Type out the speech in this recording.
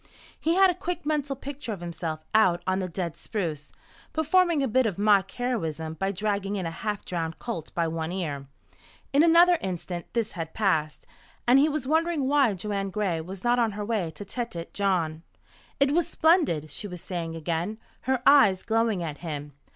He had a quick mental picture of himself out on the dead spruce, performing a bit of mock heroism by dragging in a half drowned colt by one ear. In another instant this had passed, and he was wondering why Joanne Gray was not on her way to Tête Jaune. "It was splendid!" she was saying again, her eyes glowing at him.